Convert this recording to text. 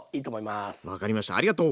分かりましたありがとう！